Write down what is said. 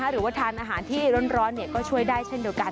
หรือว่าทานอาหารที่ร้อนก็ช่วยได้เช่นเดียวกัน